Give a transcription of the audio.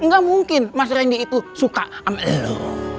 ga mungkin mas randy itu suka ama lo